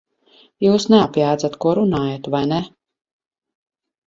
Jūs neapjēdzat, ko runājat, vai ne?